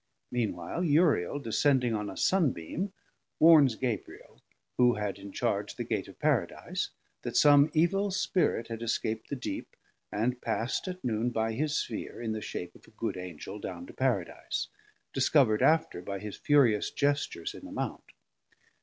Mean while Uriel descending on a Sunbeam warns Gabriel, who had in charge the Gate of Paradise, that some evil spirit had escap'd the Deep, and past at Noon by his Sphere in the shape of a good Angel down to Paradise, discovered after by his furious gestures in the Mount.